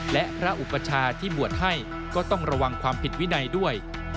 และพระอุปชาที่บวชให้ก็ต้องระวังความผิดวินัยด้วย